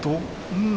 うん。